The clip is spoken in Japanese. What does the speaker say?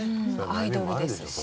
アイドルですし。